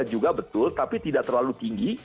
juga betul tapi tidak terlalu tinggi